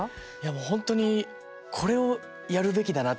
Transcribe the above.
本当にこれをやるべきだなって